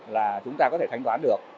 là chúng ta có thể thanh toán được